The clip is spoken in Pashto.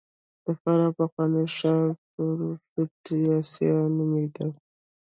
د فراه پخوانی ښار پروفتاسیا نومېده